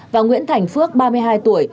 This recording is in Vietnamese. và nguyễn thành phước ba mươi hai tuổi